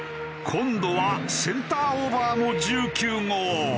今度はセンターオーバーの１９号。